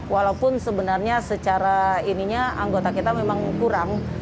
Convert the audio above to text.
walaupun sebenarnya secara ininya anggota kita memang kurang